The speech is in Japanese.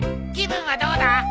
気分はどうだ？